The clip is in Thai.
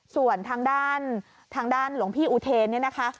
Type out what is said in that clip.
ส่วนทางด้านทางด้านหลวงพี่อุเทนเนี่ยนะคะ